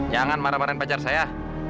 jangan marah marahin pacar saya